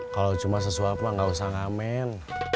kalau cuma sesuap mah gak usah ngamen